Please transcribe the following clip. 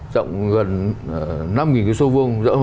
rộng gần năm cái sâu vương